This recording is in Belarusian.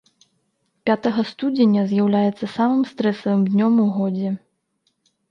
Пятага студзеня з'яўляецца самым стрэсавым днём у годзе.